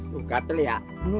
tuh kak telia